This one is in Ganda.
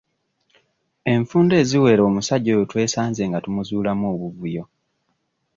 Enfunda eziwera omusajja oyo twesanze nga tumuzuulamu obuvuyo.